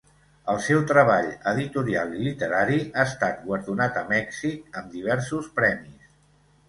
El seu treball editorial i literari ha estat guardonat a Mèxic amb diversos premis.